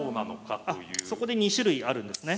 あっそこで２種類あるんですね。